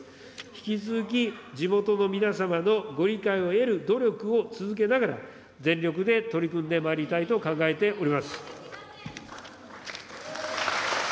引き続き地元の皆様のご理解を得る努力を続けながら、全力で取り組んでまいりたいと考えております。